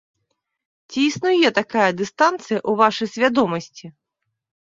Ці існуе такая дыстанцыя ў вашай свядомасці?